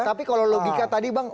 tapi kalau logika tadi bang